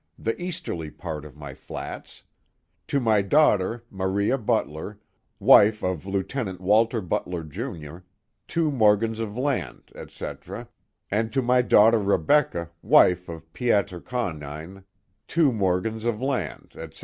the easterly part of my flats; tony daughter, Maria Butler, wife of Lieutenant Waller Buller, Jr.. two morgens of lard, etc., and to my daughter Rebecca, wife of Pietsr Conyn, two morgens of land, etc.